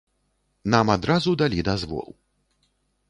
Нам адразу далі дазвол.